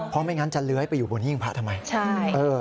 เพราะไม่งั้นจะเลื้อยไปอยู่บนหิ้งพระทำไม